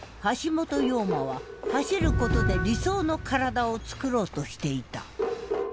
陽馬は走ることで理想の身体をつくろうとしていた。